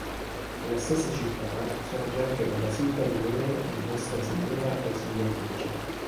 Nella stessa città sorge anche la basilica minore di Nostra Signora Ausiliatrice.